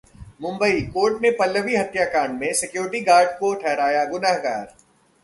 Mumbai: court ने पल्लवी हत्याकांड में सिक्योरिटी गार्ड को ठहराया गुनहगार